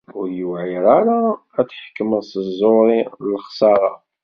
Ur yewεir ara ad tḥekmeḍ deg tẓuri n lexsara.